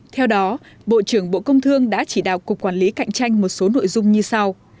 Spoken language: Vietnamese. theo đó bộ trưởng bộ công thương đã chỉ đạo cục quản lý cạnh tranh một số nội dung như sau